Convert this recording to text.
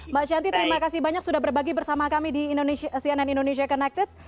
mbak shanti terima kasih banyak sudah berbagi bersama kami di cnn indonesia connected